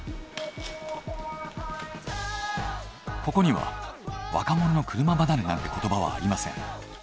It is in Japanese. ここには若者の車離れなんて言葉はありません。